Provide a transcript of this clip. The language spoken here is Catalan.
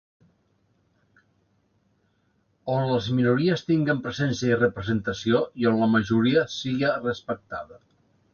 On les minories tinguen presència i representació i on la majoria siga respectada.